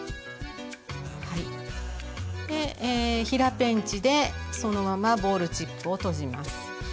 平ペンチでそのままボールチップをとじます。